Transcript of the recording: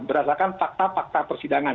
berdasarkan fakta fakta persidangan